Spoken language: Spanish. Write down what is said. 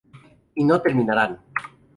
Y no terminarán.